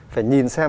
phải nhìn xem